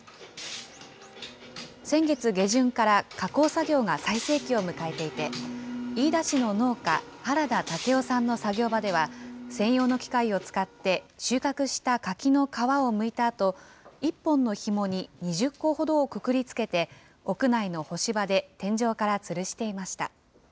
先月下旬から加工作業が最盛期を迎えていて、飯田市の農家、原田健夫さんの作業場では専用の機械を使って収穫した柿の皮をむいたあと、１本のひもに２０個ほどをくくりつけて、屋内の干し場で天井からつるしていました。